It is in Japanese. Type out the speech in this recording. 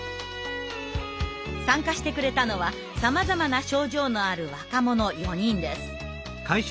参加してくれたのはさまざまな症状のある若者４人です。